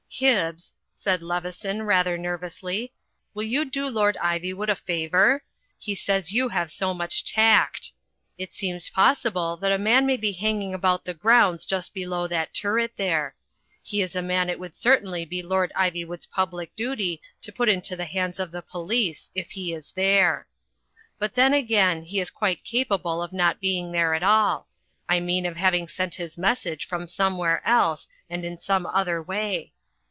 "Hibbs," said Leveson, rather nervously, "will you do Lord Ivywood a favour? He says you have so much tact. It seems possible that a man may be hang ing about the grounds just below that turret there. He is a man it would certainly be Lord Ivywood's public duty to put into the hands of the police, if he is there. But tiien, again, he is quite capable of not being there at all — I mean of having sent his message from somewhere else and in some other way.